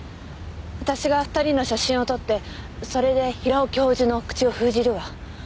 私が２人の写真を撮ってそれで平尾教授の口を封じるわ。